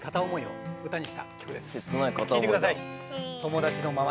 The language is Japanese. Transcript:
聴いてください。